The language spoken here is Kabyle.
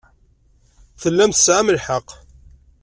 Tellam tesɛam lḥeqq.